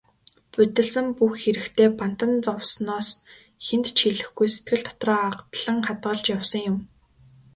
Будилсан бүх хэрэгтээ бантан зовсноос хэнд ч хэлэхгүй, сэтгэл дотроо агдлан хадгалж явсан юм.